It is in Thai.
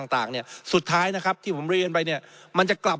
ต่างเนี่ยสุดท้ายนะครับที่ผมเรียนไปเนี่ยมันจะกลับ